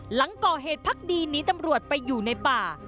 หลังก่อเหตุพักดีหนีตำรวจไปอยู่ในป่า